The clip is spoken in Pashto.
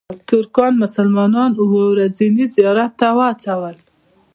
ترکانو مسلمانان اوو ورځني زیارت ته وهڅول.